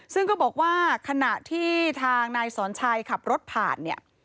ซึ่งก็บอกว่าขณะที่ทางนายสอนชัยขับรถผ่านเนี่ย